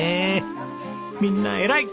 みんな偉い！